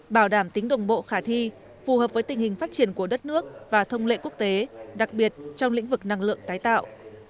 bảo đảm tính đồng bộ khả thi phù hợp với tình hình phát triển của đất nước và thông lệ quốc tế đặc biệt trong lĩnh vực năng lượng tái tạo